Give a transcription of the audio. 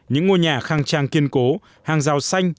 những ngôi nhà khang trang kiên cố hàng rào xanh